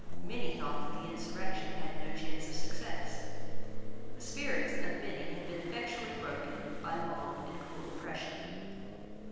Many thought that the insurrection had no chance of success. The spirit of many had been effectually broken by long and cruel oppression.